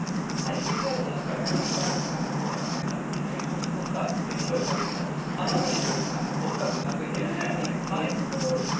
ＶＴＲの中で、お母さんが、そうだよね、なるほどね、そうかそうかって声をかけてた、あのあたりで尾木さん、深くうなずいていらっしゃいましたけど、ああいうことですか。